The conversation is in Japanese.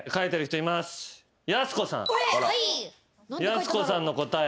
やす子さんの答え